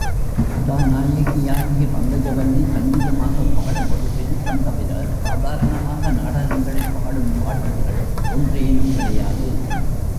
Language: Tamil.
கதா நாயகியாகிய பங்கஜவல்லி, சங்கீதமாகப் பாடும் ஒரு விருத்தம் தவிர, சாதாரணமாக நாடகங்களில் பாடும் பாட்டுகள் ஒன்றேனும் கிடையாது.